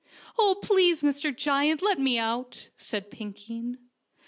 "Oh, please, Mr. Giant, let me out," said Pinkeen.